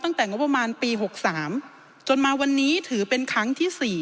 ตั้งแต่งบประมาณปี๖๓จนมาวันนี้ถือเป็นครั้งที่๔